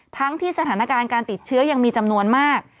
ทั้งที่สถานการณ์การติดเชื้อยังมีจำนวนมาก